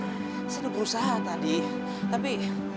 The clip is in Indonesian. saya sudah berusaha tadi tapi